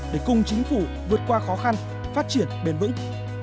để cùng chính phủ vượt qua khó khăn phát triển bền vững